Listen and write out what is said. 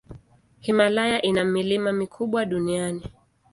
Himalaya ina milima mikubwa duniani.